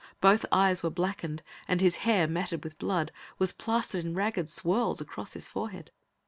Both eyes were blackened, and his hair, matted with blood, was plastered in ragged swirls across his forehead.